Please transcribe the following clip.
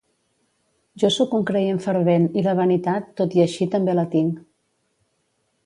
Jo sóc un creient fervent i la vanitat tot i així també la tinc.